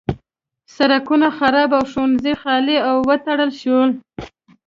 سړکونه خراب او ښوونځي خالي او وتړل شول.